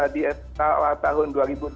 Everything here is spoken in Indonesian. di awal tahun dua ribu dua puluh